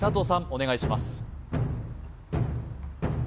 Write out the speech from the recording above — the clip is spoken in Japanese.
お願いします